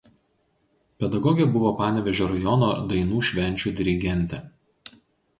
Pedagogė buvo Panevėžio rajono dainų švenčių dirigentė.